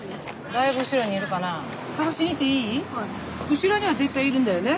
後ろには絶対いるんだよね？